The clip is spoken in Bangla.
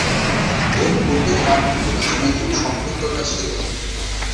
এর পূর্বে তার কোন রাজনৈতিক সম্পৃক্ততা ছিল না।